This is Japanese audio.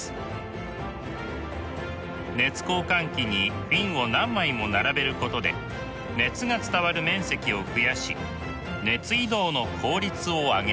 熱交換器にフィンを何枚も並べることで熱が伝わる面積を増やし熱移動の効率を上げています。